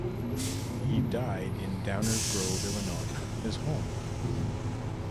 He died in Downers Grove, Illinois, his home.